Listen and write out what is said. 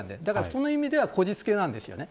その意味ではこじつけなんですね。